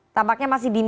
tampaknya masih di mute